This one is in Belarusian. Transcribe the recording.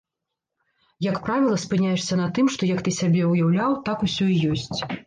Як правіла, спыняешся на тым, што, як ты сабе ўяўляў, так усё і ёсць.